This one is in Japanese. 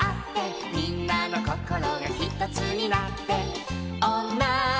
「みんなのこころがひとつになって」